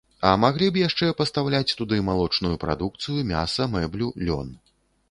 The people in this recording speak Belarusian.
А маглі б яшчэ пастаўляць туды малочную прадукцыю, мяса, мэблю, лён.